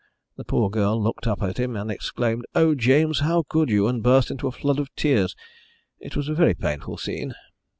The poor girl looked up at him and exclaimed, 'Oh, James, how could you?' and burst into a flood of tears. It was a very painful scene."